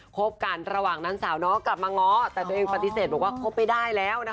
คบกันระหว่างนั้นสาวน้องกลับมาง้อแต่ตัวเองปฏิเสธบอกว่าคบไม่ได้แล้วนะคะ